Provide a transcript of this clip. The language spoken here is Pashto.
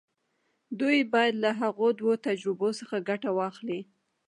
دوی بايد له هغو دوو تجربو څخه ګټه واخلي.